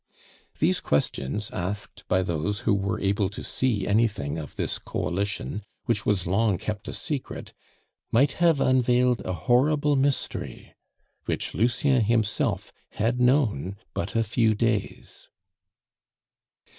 These questions, asked by those who were able to see anything of this coalition, which was long kept a secret, might have unveiled a horrible mystery which Lucien himself had known but a few days.